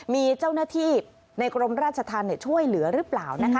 มีเจ้าหน้าที่ในกรมราชธรรมช่วยเหลือหรือเปล่านะคะ